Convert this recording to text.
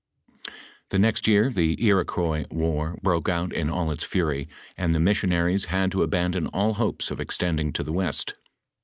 * The next year the Iroquois war broke out in all its fury ; and the missionaries bad to abandon all hopes of extending to tho west.